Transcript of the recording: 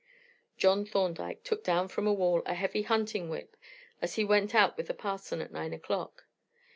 John Thorndyke took down from a wall a heavy hunting whip, as he went out with the parson at nine o'clock.